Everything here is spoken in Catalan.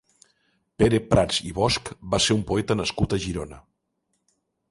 Pere Prats i Bosch va ser un poeta nascut a Girona.